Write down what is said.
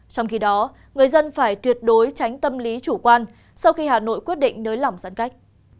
trong khi đó người dân phải tuyệt đối tránh tâm lý chủ quan sau khi hà nội quyết định nới lỏng giãn cách